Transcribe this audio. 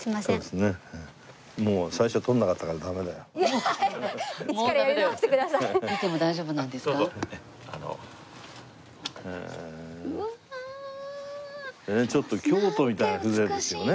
ねえちょっと京都みたいな風情ですよね。